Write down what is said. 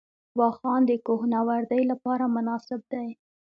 واخان د کوه نوردۍ لپاره مناسب دی